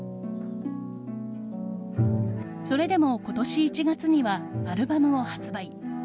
それでも今年１月にはアルバムを発売。